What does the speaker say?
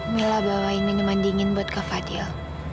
mila bawain minuman dingin buat ke fadil